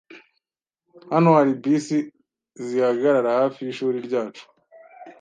Hano hari bisi zihagarara hafi yishuri ryacu.